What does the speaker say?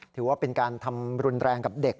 ถือว่าเป็นการทำรุนแรงกับเด็ก